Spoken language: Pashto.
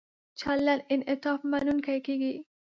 چلند انعطاف مننونکی کیږي.